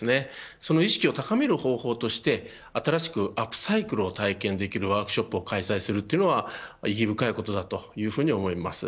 その意識を高める方法として新しくアップサイクルを体験できるワークショップを開催するというのは意義深いことというふうに思います。